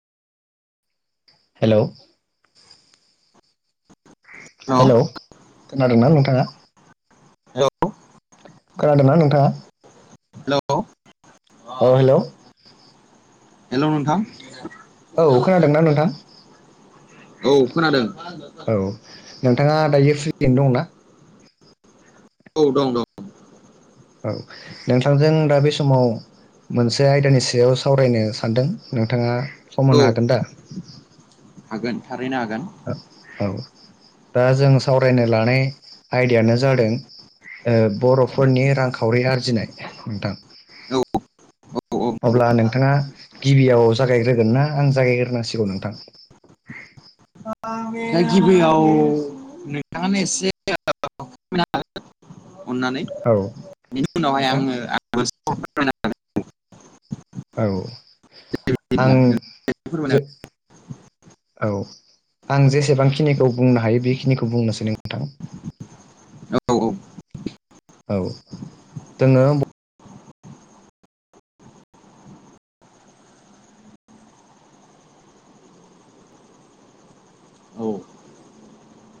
हेल'? Hello खोनादों ना नोंथाङा? हेल' खोनादों ना नोंथांङा? हेल' अ हेल' हेल' नोंथां? औ खोनादोंना नोंथां औव खोनादों। औ नोंथांङा दायो फ्रि दंना? औ दं दं। औ नोंथांजों दा बे समाव मोनसे आयदानि सायाव सावरायनो सानदों। नोंथांङा सम औ होनो हागोन दा? हागोन थारैनो हागोन। औ दा जों सावरायनो लानाय आयदायानो जादों ओ बर'फोरनि रांखावरि आरजिनाय नोंथां। औ औ औ नंगौ अब्ला नोंथांङा गिबियाव जागायग्रोगोन ना आं जागायग्रोनांसिगौव नोंथां? गिबियाव नोंथांङानो एसे अननानै औ बिनि उनावहाय नोंथां आंङों औ आं बिदिब्ला जे फोरमायना औ आं जेसेबांखिनिखौ बुंनो हायो बेखिनिखौ बुंनोसैय नोंथां। औव औव। औ दंङो। औ